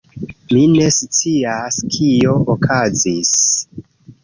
Mi ne scias kio okazis